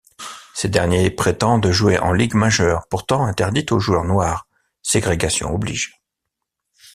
Ces derniers prétendent jouer en Ligue majeure, pourtant interdite aux joueurs noirs, ségrégation oblige.